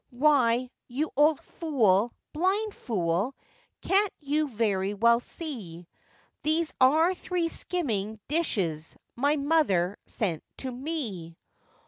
'Why, you old fool! blind fool! can't you very well see, These are three skimming dishes my mother sent to me?